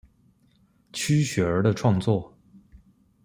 区雪儿的创作。